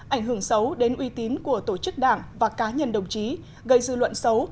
ảnh hưởng xấu đến uy tín của tổ chức đảng và cá nhân đồng chí gây dư luận xấu